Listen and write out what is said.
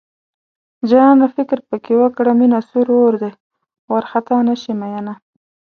جانانه فکر پکې وکړه مينه سور اور دی وارخطا نشې مينه